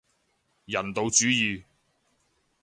人道主義